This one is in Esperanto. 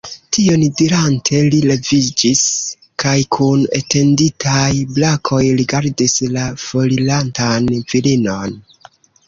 Tion dirante, li leviĝis kaj kun etenditaj brakoj rigardis la forirantan virinon.